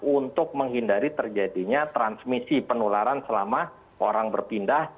untuk menghindari terjadinya transmisi penularan selama orang berpindah